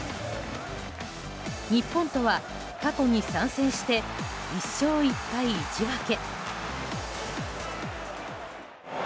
日本とは過去に３戦して１勝１敗１分け。